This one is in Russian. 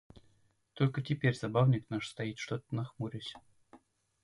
Только теперь забавник наш стоит что-то нахмурясь.